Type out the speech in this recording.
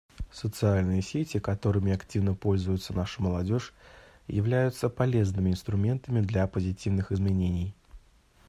Социальные сети, которыми активно пользуется наша молодежь, являются полезными инструментами для позитивных изменений.